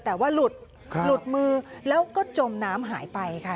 แต่ว่าหลุดหลุดมือแล้วก็จมน้ำหายไปค่ะ